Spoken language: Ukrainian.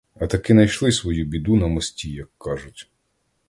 А таки найшли свою біду на мості, як кажуть.